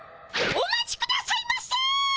お待ちくださいませ！